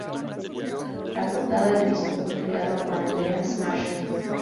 La portada del disco fue creada por Andreas Marshall.